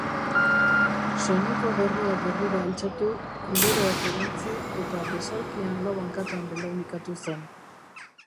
Soineko gorria gerrira altxatu, kuleroak erantzi eta besaulkian lau hankatan belaunikatu zen.